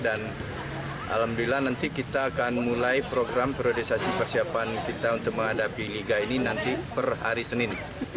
dan alhamdulillah nanti kita akan mulai program periodisasi persiapan kita untuk menghadapi liga ini nanti per hari senin